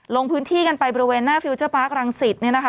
ลงพื้นที่กันไปบริเวณหน้าฟิลเจอร์ปาร์ครังสิตเนี่ยนะคะ